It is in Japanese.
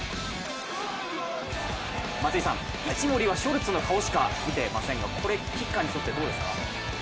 一森はショルツの方しか見てませんがこれ、キッカーにとってはどうですか。